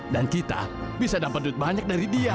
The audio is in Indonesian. dan kita bisa dapat duit banyak dari dia